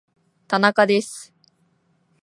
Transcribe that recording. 田中です